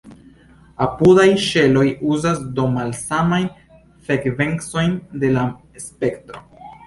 Apudaj ĉeloj uzas do malsamajn frekvencojn de la spektro.